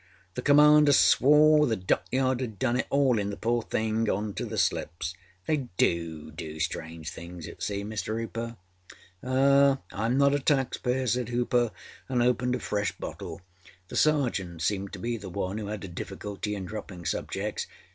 The commander swore the dockyard âad done it haulinâ the pore thing on to the slips. They do do strange things at sea, Mr. Hooper.â âAh! Iâm not a tax payer,â said Hooper, and opened a fresh bottle. The Sergeant seemed to be one who had a difficulty in dropping subjects.